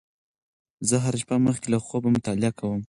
زه هره شپه مخکې له خوبه مطالعه کوم.